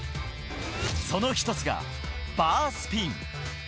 その一つがバースピン。